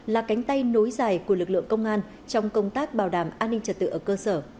là cánh tay nối dài của lực lượng công an trong công tác bảo đảm an ninh trật tự ở cơ sở